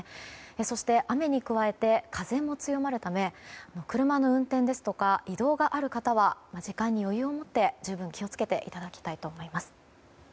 そして、雨に加えて風も強まるため車の運転ですとか移動がある方は時間に余裕をもって十分、気を付けていただきたいと思います。